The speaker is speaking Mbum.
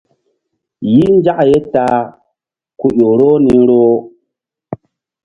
Yih nzak ye ta a ku ƴo roh ni roh.